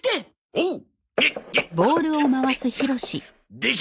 おっ？